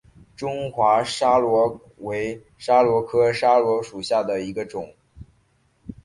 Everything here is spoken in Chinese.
中华桫椤为桫椤科桫椤属下的一个种。